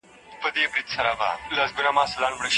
راټول سوي معلومات د تجزیې موضوع کیږي.